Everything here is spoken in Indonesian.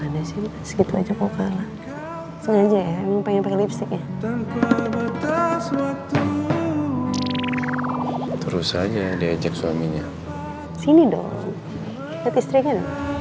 kalah sengaja ya emang pengen pakai lipstick ya terus aja diajak suaminya sini dong ke istrikan